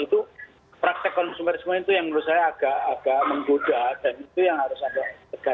itu praktek konsumer semua itu yang menurut saya agak menggoda dan itu yang harus ada